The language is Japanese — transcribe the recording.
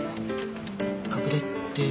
拡大って。